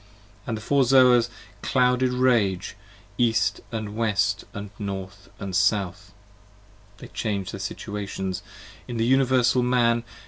25 And the Four Zoas clouded rage, East & West & North & South: They change their situations, in the Universal Man.